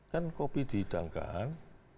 kan kopi didangkan